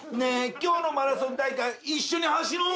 今日のマラソン大会一緒に走ろう。